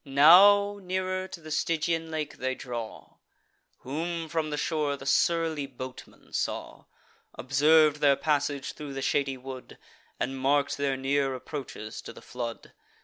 Now nearer to the Stygian lake they draw: Whom, from the shore, the surly boatman saw; Observ'd their passage thro' the shady wood, And mark'd their near approaches to the flood.